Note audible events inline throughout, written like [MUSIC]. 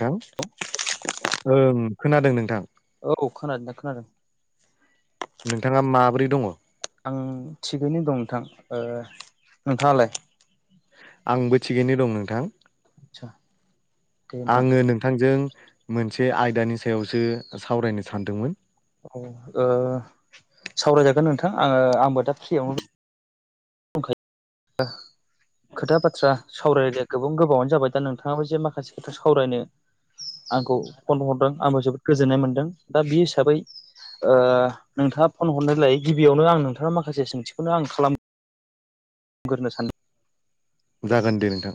नोंथां ओं खोनादों नोंथां औ खोनादों [UNINTELLIGIBLE] नोंथां खोनादों नोंथाङा माब्रै दङॽ आं थिगैनो दं नोंथां ओ नोंथाङालाय । आंबो थिगैनो दं नोंथां आदसा दे नोंथां आङो नोंथांजों मोनसे आयदानि सायावसो सावरायनो सानदोंमोन ॽ औ ओ सावरायजागोन नोंथां आङो आंबो [UNINTELLIGIBLE] दा फ्रियावनो ओ खोथा बाथ्रा सावरायनाया गोबां गोबावानो जाबाय दा नोंथाङाबो जे माखासे खोथा सावरायनो आंखौ फन हरदों आंबो जोबोद गोजोननाय मोनदों दा बे हिसाबै ओ नोंथाङा फन हरनायलाय गिबियावनो आं नोंथाङा माखासे सोंथिखौनो आं खालाम गोरनो सान [UNINTELLIGIBLE] जागोन दे नोंथां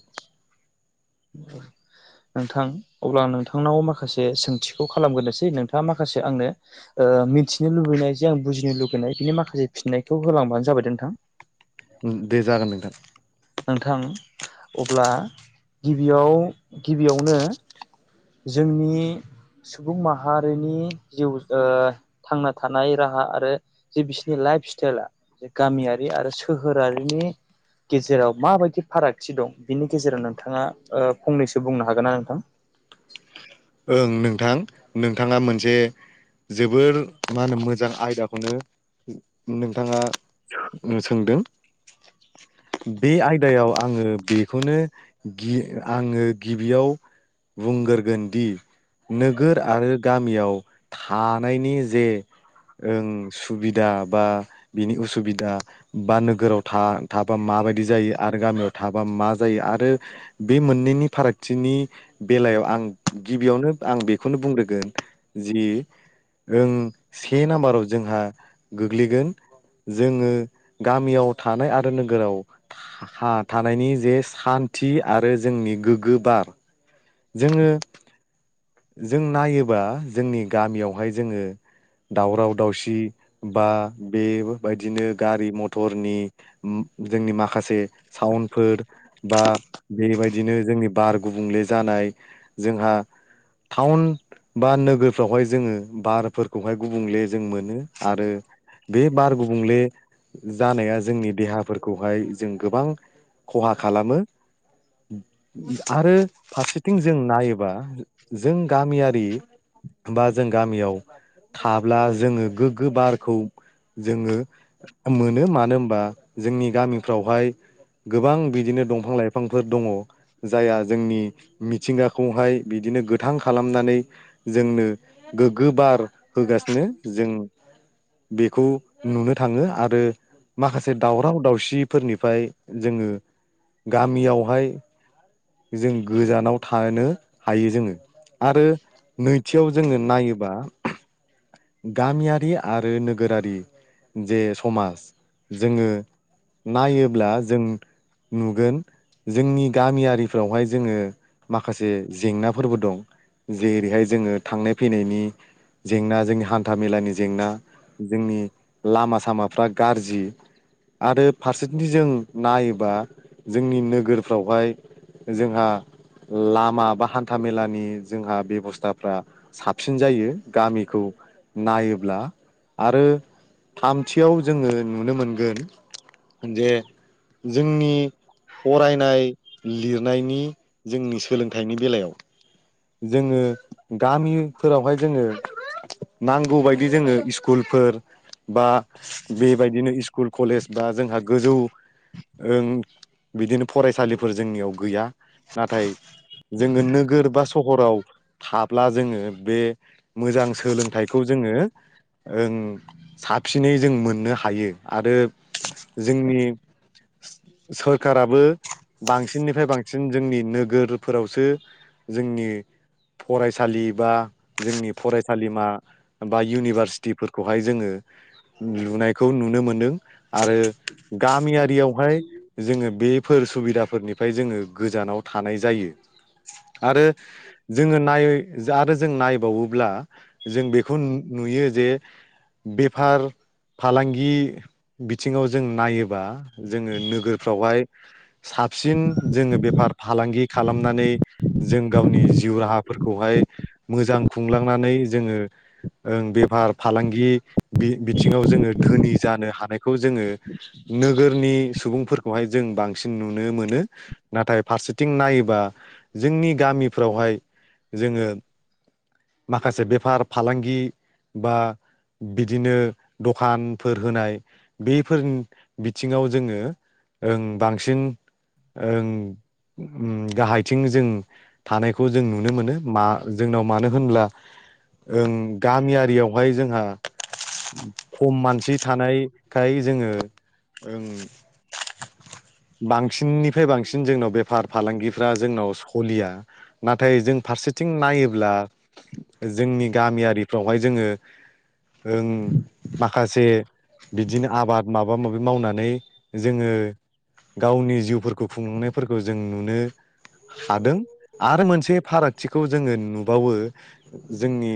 [INAUDIBLE] नोंथां अब्ला नोंथांनाव माखासे सोंथिखौ खालामगोरनोसै नोंथाङा माखासे आंनो [INAUDIBLE] ओ मिथिनो लुुबैनाय जे आं बुजिनो लुगैनाय बिनि माखासे फिननायखौ होलांबानो जाबाय दे नोंथां । दे जागोन नोंथां । नोंथां अब्ला गिबियाव गिबियावनो जोंनि सुबुं माहारिनि जिउ ओ थांना थानाय राहा आरो जे बिसनि लाइफ स्टाइला गामियारि आरो सोहोर रारिनि गेजेराव माबायदि फारागथि दं बिनि गेजेराव नोंथाङा फंनैसो बुंनो हागोन ना नोंथां? ओं नोंथां नोंथाङा मोनसे जोबोर मा होनो मोजां आयदाखौनो नोंथाङा सोंदों । बे आयदायाव आङो बेखौनो गि आङो गिबियाव बुंगोरगोन दि नोगोर आरो गामियाव थानायनि जे ओं सुबिदा बा बिनि उसुबिदा बा नोगोराव थाबा माबायदि जायो आरो गामियाव थाबा मा जायो आरो । बे मोननैनि फारागथिनि बेलायाव आं गिबियावनो आं बेखौनो बुंदोंगोन जि ओं से नाम्बाराव जोंहा गोग्लैगोन जोङो गामियाव थानाय आरो नोगोराव हा थानायनि जे सान्थि आरो जोंनि गोग्गो बार जोङो जों नायोबा जोंनि गामियावहाय जोङो दावराव दावसि बा बेबायदिनो गारि मथरनि जोंनि माखासे साउनफोर बा बेबायदिनो जोंनि बार गुबुंले जानाय जोंहा थाउन बा नोगोरफ्रावहाय जोङो बारफोरखौहाय गुबुंले जों मोनो आरो बे बार गुबुंले जानाया जोंनि देहाफोरखौहाय जों गोबां खहा खालामो आरो फारसेथिं जों नायोबा जों गामियारि बा जों गामियाव थाब्ला जोङो गोग्गो बारखौ जोङो मोनो मानो होनबा जोंनि गामिफ्रावहाय गोबां बिदिनो दंफां लाइफांफोर दङ जायहा जोंनि मिथिंगाखौहाय बिदिनो गोथां खालामनानै जोंनो गोग्गो बार होगासिनो जों बेखौ नुनो थाङो आरो माखासे दावराव दावसिफोरनिफ्राय जोङो गामियावहाय जों गोजानाव थानो हायो जोङो आरो नैथियाव जोङो नायोबा गामियारि आरो नोगोरारि जे समाज जोङो नायोब्ला जों नुगोन जोंनि गामियारि फोरावहाय जोङो माखासे जेंनाफोरबो दं । जेरैहाय जोङो थांनाय फैनायनि जेंना जोंनि हान्था मेलानि जेंना जोंनि लामा सामाफ्रा गाज्रि आरो फारसेथि जों नायोबा जोंनि नोगोरफ्रावहाय जोंहा लामा बा हान्था मेलानि जोंहा बेब'स्थाफ्रा साबसिन जायो गामिखौ नायोब्ला आरो थामथियाव जोङो नुनो मोनगोन जे जोंनि फरायनाय लिरनायनि जोंनि सोलोंथाइनि बेलायाव जोङो गामिफोरावहाय जोङो नांगौबायायदि जोङो इसकु स्कुलफोर बा बेबायदिनो स्कुल कलेज बा जोंहा गोजौ ओ बिदिनो फरायसालिफोर जोंनियाव गैया नाथाय जोङो नोगोर बा सहराव थाब्ला जोङो बे मोजां सोलोंथाइखौ जोङो ओं साबसिनै जों मोननो हायो आरो जोंनि सोरखाराबो बांसिननिफ्राय बांसिन जोंनि नोगोरफोरावसो जोंनि फरायसालि बा जोंनि फरायसालिमा बा इउनिभारसिटिफोरखौहाय जोङो लुनायखौ नुनो मोनदों आरो गामियारियावहाय जोङो बे फोर सुबिदाफोरनिफ्राय जोङो गोजानाव थानाय जायो आरो जोङो नाय आरो जों नायबावोब्ला जों बेखौ नुयो जे बेफार फालांगि बिथिङाव जों नायोबा जोङो नोगोरफ्रावहाय साबसिन जोङो बेफार फालांगि खालामनानै जों गावनि जिउ राहाफोरखौहाय मोजां खुंलांनानै जोङो ओं बेफार फालांगि बि बिथिङाव जोङो धोनि जानो हानायखौ जोङो नोगोरनि सुबुंफोरखौहाय जों बांसिन नुनो मोनो। नाथाय फारसेथिं नायोबा जोंनि गामिफ्रावहाय जोङो माखासे बेफार फालांगि बा बिदिनो दखानफोर होनाय बेफोरनि बिथिङाव जोङो ओं बांसिन ओं उम गाहायथि दिं जों थानायखौ जों नुनो मोनो मा जोंनाव मानो होनब्ला ओ गामियारियावहाय जोंहा खम मानसि थानायखाय जोङो ओं बांसिननिफ्राय बांसिन जोंनाव बेफार फालांगिफ्रा जोंनाव सलिया। नाथाय जों फारसेथिं नायोब्ला जोंनि गामियारिफ्रावहाय जोङो ओं माखासे बिदिनो आबाद माबा माबि मावनानै जोङो गावनि जिउफोरखौ खुंलनायफोरखौ जों नुनो हादों। आरो मोनसे फारागथिखौ जोङो नुबावो जोंनि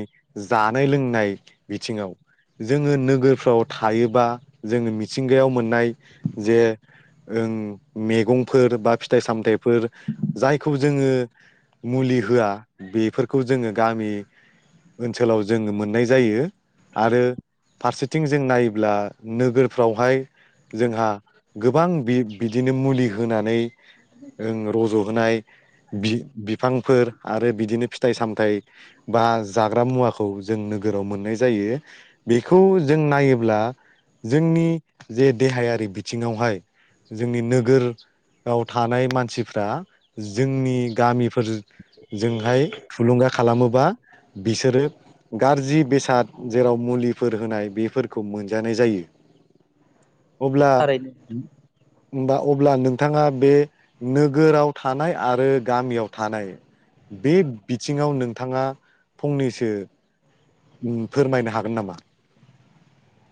जानाय लोंनाय बिथिङाव जोङो नोगोरफ्राव थायोबा जोङो मिथिंगायाव मोननाय जे ओ मैगंफोर बा फिथाइ सामथाइफोर जायखौ जोङो मुलि होआ बेफोरखौ जोङो गामि ओनसोलाव जोङो मोननाय जायो आरो फारसेथिं जों नायोब्ला नोगोरफ्रावहाय जोंहा गोबां बि दिनो मुलि होनानै ओं रज'होनाय। बि बिफांफोर आरो बिदिनो फिथाइ सामथाइ बा जाग्रा मुवाखौ जों नोगोराव मोननाय जायो। बेखौ जों नायोब्ला जोंनि जे देहायारि बिथिङावहाय जोंनि नोगोराव थानाय मानसिफ्रा जोंनि गामिफोरजोंहाय थुलुंगा खालामोबा बिसोरो गाज्रि बेसाद जेराव मुलिफोर होनाय बेफोरखौ मोनजानाय जायो। अब्ला थारैनो होनबा अब्ला नोंथाङा बे नोगोराव थानाय आरो गामियाव थानाय बे बिथिङाव नोंथाङा फंनैसो फोरमायनो हागोन नामा?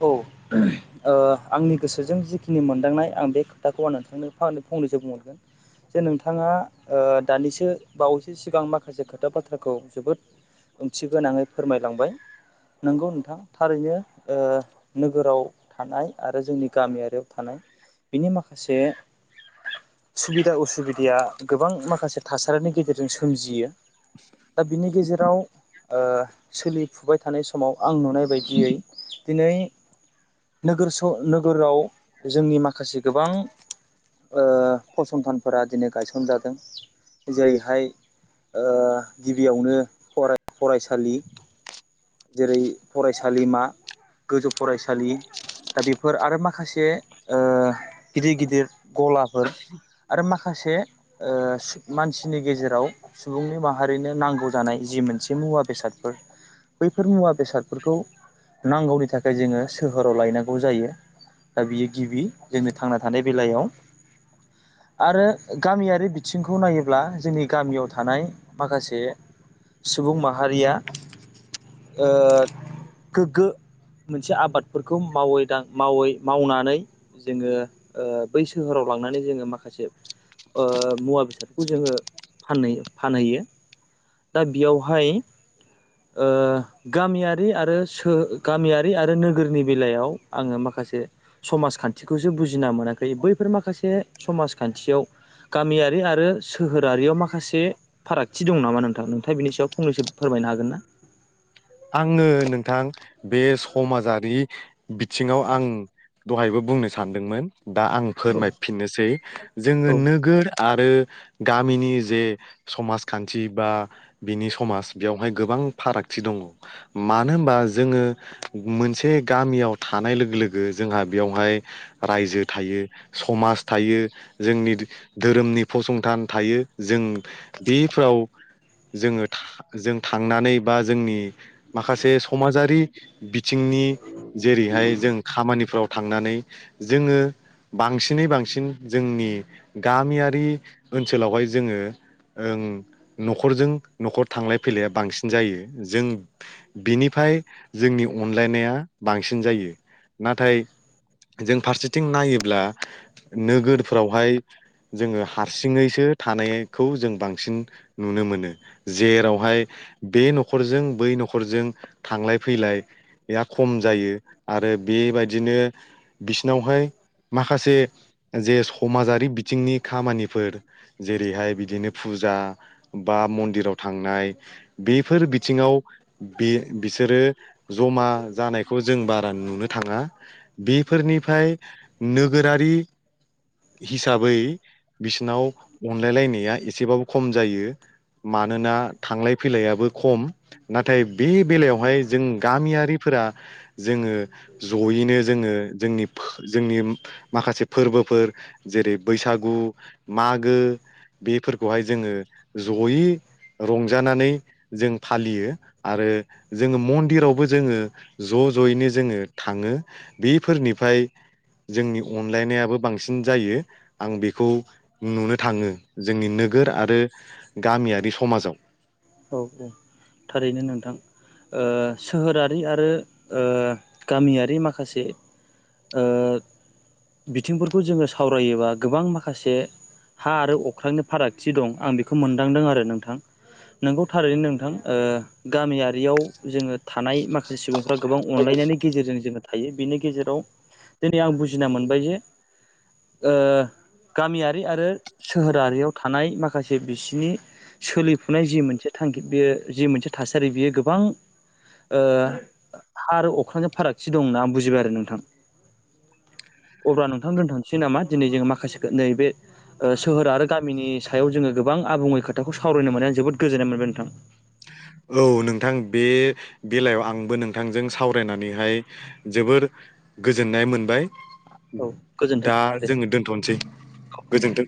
औ। ओ आंनि गोसोजों जिखिनि मोनदांनाय आं बे खोथाखौ आं नोंथांनो फंनैसो बुंहरगोन। जे नोंथाङा ओ दानिसो बावैसो सिगां माखासे खोथा बाथ्राखौ जोबोद ओंथि गोनाङै फोरमायलांबाय। नोंगौ नोंथां थारैनो ओ नोगोराव थानाय आरो जोंनि गामियारियाव थानाय बिनि माखासे सुबिदा असुबिदाया गोबां माखासे थासारिनि गेजेरजों सोमजियो। दा बिनि गेजेराव ओ सोलिफुबाय थानाय समाव आं नुनाय बायदियै दिनै नोगोर स' नोगोराव जोंनि माखासे गोबां ओ फसंथानफोरा दिनै गायसनजादों। जेरैहाय ओ गिबियावनो फराय-फरायसालि। जेरै फरायसालिमा गोजौ फरायसालि। दा बेफोर आरो माखासे ओ गिदिर गिदिर गलाफोर आरो माखासे ओ मानसिनि गेजेराव सुबुंनि माहारिनो नांगौ जानाय जि मोनसे मुवा बेसादफोर बैफोर मुवा बेसादफोरखौ नांगौनि थाखाय जोङो सोहोराव लायनां गौजायो दा बियो गिबि जोंनि थांना थानाय बेलायाव। आरो गामियारि बिथिंखौ नायोब्ला जोंनि गामियाव थानाय माखासे सुबुं माहारिया ओ गोग्गो मोनसे आबादफोरखौ मावै दां मावै मावनानै जोङो ओ बै सोहोराव लांनानै जोङो माखासे ओ मुवा बेसादखौ जोङो फानहै-फानहैयो। दा बियावहाय ओ गामियारि आरो सो गामियारि आरो नोगोरनि बेलायाव आङो माखासे समाजखान्थिखौसो बुजिना मोनाखै बैफोर माखासे समाजखान्थियाव गामियारि आरो सोहोरारियाव माखासे फारागथि दं नामा नोंथां नोंथाङा बिनि सायाव फंनैसो फोरमायनो हागोन ना? आङो नोंथां बे समाजारि बिथिंङाव आं दहायबो बुंनो सानदोंमोन दा आं औ फोरमायफिननोसै जोङो औ नोगोर आरो गामिनि जे समाजखान्थि बा बिनि समाज बेयावहाय गोबां फारागथि दङ' मानो होनबा जोङो मोनसे गामियाव थानाय लोगो लोगो जोंहा बेयावहाय रायजो थायो समाज थायो जोंनि धोरोमनि फसंथान थायो जों बेफ्राव जोङो था जों थांनानै बा जोंनि माखासे समाजारि बिथिंनि जेरैहाय जों खामानिफ्राव थांनानै जोङो बांसिनै बांसिन जोंनि गामियारि ओनसोलावहाय जोङो ओं न'खरजों न'खर थांलाय फैलाया बांसिन जायो जों बिनिफ्राय जोंनि अनलायनाया बांसिन जायो नाथाय जों फारसेथिं नायोब्ला नोगोरफोरावहाय जोङो हारसिङैसो थानाय खौ जों बांसिन नुनो मोनो जेरावहाय बे न'खरजों बै न' खरजों थांलाय फैलाय या खम जायो आरो बेबायदिनो बिसिनावहाय माखासे जे समाजारि बिथिंनि खामानिफोर जेरैहाय बिदिनो फुजा बा मन्दिराव थांनाय बेफोर बिथिङाव बे बिसोरो जमा जानायखौ जों बारा नुनो थाङा बेफोरनिफ्राय नोगोरारि हिसाबै बिसनाव अनलाय लायनाया एसेबाबो खम जायो मानोना थांलाय फैलायाबो खम नाथाय बे बेलायावहाय जों गामियारिफोरा जोङो जयैनो जोङो जोंनि जोंनि माखासे फोरबोफोर जेरै बैसागु, मागो बेफोरखौहाय जोङो जयै रंजानानै जों फालियो। आरो जोङो मन्दिरावबो जोङो ज' ज'यैनो जोङो थाङो बेफोरनिफ्राय जोंनि अनलायनायाबो बांसिन जायो आं बेखौ नुनो थाङो जोंनि नोगोर आरो गामियारि समाजाव। औ औ थारैनो नोंथां सोहोरारि आरो ओ गामियारि माखासे ओ बिथिंफोरखौ जोङो सावरायोबा गोबां माखासे हा आरो अख्रांनि फारागथि दं आं बेखौ मोनदांदों आरो नोंथां। नोंगौ थारैनो नोंथां ओ गामियारियाव जोङो थानाय माखा माखासे सुबुंफ्रा गोबां अनलायनायनि गेजेरजों जोङो थायो बिनि गेजेराव दिनै आं बुजिना मोनबाय जे ओ गामियारि आरो सोहोरारियाव थानाय माखासे बिसिनि सोलिफुनाय जि मोन से थांखि बेयो जि मोनसे थासारि बियो गोबां ओ हा आरो अख्रांजों फारागथि दं होनना आं बुजिबाय आरो नोंथां। अब्ला नोंथां दोनथांसै नामा दिनै जोङो माखाखौ नैब बे सोहोर आरो गामिनि सायाव जोङो गोबां आबुङै खोथाखौ सावरायनो मोननाय जोबोद गोजोननाय मोनबाय नोंथां। औ नोंथां बे बेलायाव आंबो नोंथांजों सावरायनानैहाय जोबोर गोजोननाय मोनबाय औ गोजोन्थों दा नोंथां दे जोङो दोनथ'नोसै औ गोजोन्थों गोजोनथों।